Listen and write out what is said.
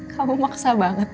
kamu maksa banget